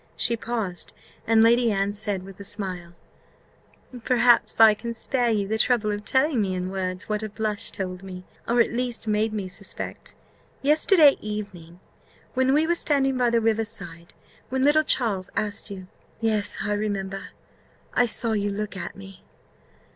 She paused; and Lady Anne said with a smile, "Perhaps I can spare you the trouble of telling me in words what a blush told me, or at least made me suspect, yesterday evening, when we were standing by the river side, when little Charles asked you " "Yes, I remember I saw you look at me."